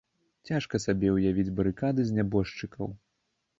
Цяжка сабе ўявіць барыкады з нябожчыкаў.